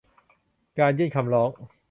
การยื่นคำร้อง